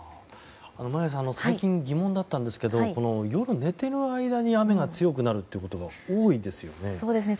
眞家さん最近疑問だったんですが夜寝ている間に雨が強くなるということが多いですよね。